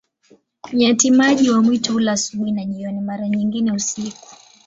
Nyati-maji wa mwitu hula asubuhi na jioni, na mara nyingine usiku.